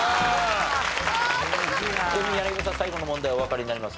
ちなみに柳葉さん最後の問題おわかりになります？